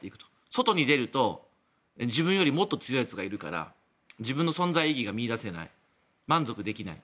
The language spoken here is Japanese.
外に出ると、自分よりもっと強いやつがいるから自分の存在意義が見いだせない満足できない。